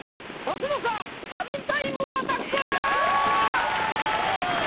年の差サビタイムアタック！